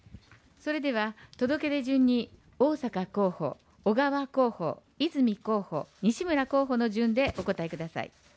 それでは、届け出順に、逢坂候補、小川候補、泉候補、西村候補の順でお答えください。